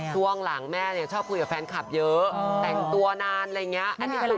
ช่วงหลังแม่ชอบคุยกับแฟนคลับเยอะแต่งตัวนานอะไรอย่างนี้